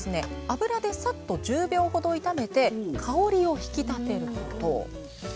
油でサッと１０秒ほど炒めて香りを引き立てること。